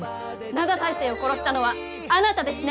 灘大聖を殺したのはあなたですね？